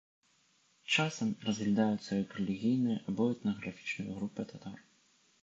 Часам разглядаюцца як рэлігійная або этнаграфічная група татар.